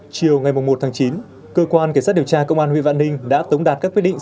chiều ngày một chín cơ quan kiểm soát điều tra công an huyện vạn ninh đã tống đạt các quyết định